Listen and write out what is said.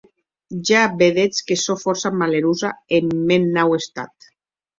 Ja vedetz que sò fòrça malerosa en mèn nau estat.